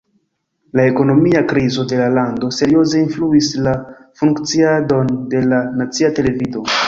La ekonomia krizo de la lando serioze influis la funkciadon de la nacia televido.